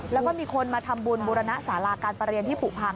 แล้วก็มีคนมาทำบุญบูรณสาราการประเรียนที่ผูกพัง